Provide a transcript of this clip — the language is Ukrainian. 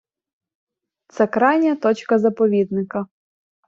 Це крайня точка заповідника.